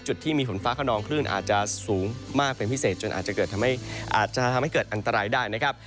จุดที่มีฝนฟ้าคลนองคลื่นอาจจะสูงมากเป็นพิเศษจนอาจจะกลับให้เกิดอังตรายได้นะครับ